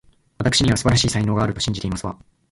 わたくしには、素晴らしい才能があると信じていますわ